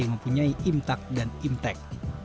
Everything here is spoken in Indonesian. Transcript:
yang mempunyai imtak dan imtek